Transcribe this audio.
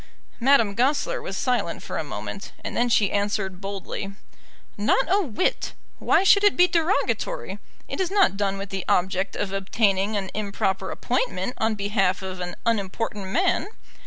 Madame Goesler was silent for a moment, and then she answered boldly, "Not a whit. Why should it be derogatory? It is not done with the object of obtaining an improper appointment on behalf of an unimportant man.